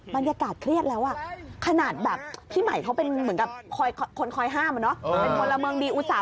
บรรยากาศเครียดแล้วอะขนาดแบบพี่หมายเขาเหมือนกับคนคอยห้ามว่าเนาะ